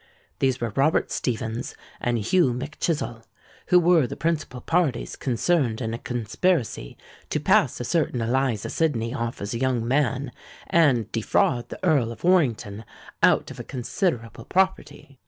These were Robert Stephens and Hugh Mac Chizzle, who were the principal parties concerned in a conspiracy to pass a certain Eliza Sydney off as a young man, and defraud the Earl of Warrington out of a considerable property.